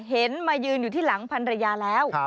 มายืนอยู่ที่หลังพันรยาแล้ว